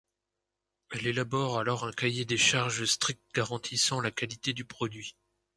Elle élabore alors un cahier des charges strict garantissant la qualité du produit.